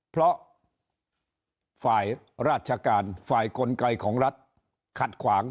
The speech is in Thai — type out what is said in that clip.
เพราะฝ่ายราชการฝ่ายกลไกของรัฐขัดขวาง